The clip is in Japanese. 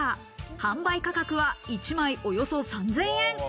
販売価格は、１枚およそ３０００円。